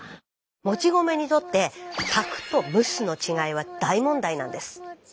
もち米にとって炊くと蒸すの違いは大問題なんです。